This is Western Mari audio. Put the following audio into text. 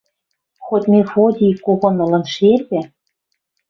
Хоть Мефодий когон ылын шергӹ